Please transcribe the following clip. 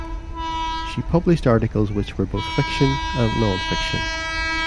She published articles which were both fiction and nonfiction.